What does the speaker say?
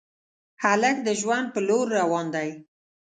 هلک د ژوند په لور روان دی.